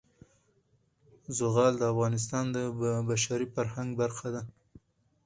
زغال د افغانستان د بشري فرهنګ برخه ده.